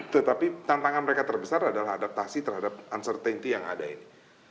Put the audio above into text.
tetapi tantangan mereka terbesar adalah adaptasi terhadap uncertainty yang ada ini